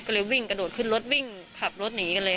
ก็เลยวิ่งกระโดดขึ้นรถวิ่งขับรถหนีกันเลย